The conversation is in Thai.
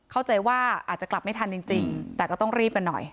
เข้าใจว่าอาจจะกลับไม่ทันจริงแต่ก็ต้องรีบกันหน่อย